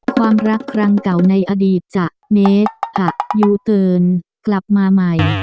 ความรักครั้งเก่าในอดีตจะเนสอับยูเตินกลับมาใหม่